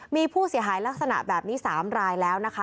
มีผู้เสียหายลักษณะแบบนี้๓รายแล้วนะคะ